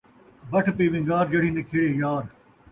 بٹھ پئی وِنگار، جیڑھی نکھیڑے یار